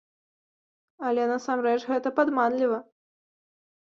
Але насамрэч гэта падманліва.